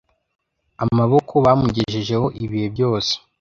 amaboko, bamugejejeho ibihe byose.